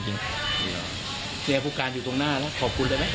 เนี่ยผู้การอยู่ตรงหน้าแล้วขอบคุณได้ไหม